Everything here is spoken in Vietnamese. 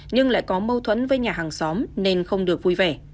nhưng lại có mâu thuẫn với nhà hàng xóm nên không được vui vẻ